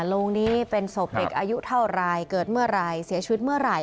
โรงนี้เป็นศพเด็กอายุเท่าไรเกิดเมื่อไหร่เสียชีวิตเมื่อไหร่